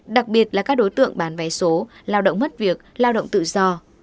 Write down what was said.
đặc biệt là các đối tượng bán vé số lao động mất việc lao động tự do